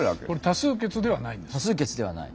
多数決ではない。